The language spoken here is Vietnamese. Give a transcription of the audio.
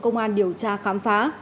công an điều tra khám phá